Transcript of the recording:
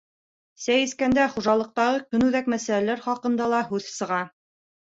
Сәй эскәндә хужалыҡтағы көнүҙәк мәсьәләр хаҡында ла һүҙ сыға.